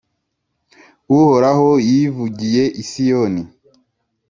Uhoraho yivugiye i Siyoni,